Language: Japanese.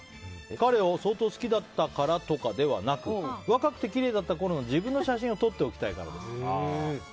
彼を相当好きだったからとかではなく若くてきれいだったころの自分の写真を撮っておきたいからです。